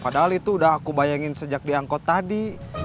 padahal itu udah aku bayangin sejak diangkut tadi